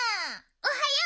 おはよう！